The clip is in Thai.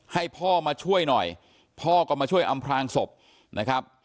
ให้พ่อมาช่วยหน่อยพ่อก็มาช่วยอำพลางศพนะครับ